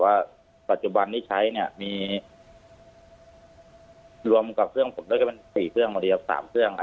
ว่าปัจจุบันที่ใช้เนี้ยมีรวมกับเครื่องผมได้เป็นสี่เครื่อง